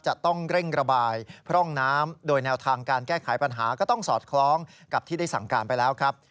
จะต้องเร่งระบายพร่องน้ำโดยแนวทางการแก้ไขปัญหาก็ต้องสอดคล้องกับที่ได้สั่งการไปแล้วครับ